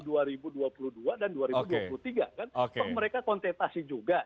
dan dua ribu dua puluh tiga kan mereka kontentasi juga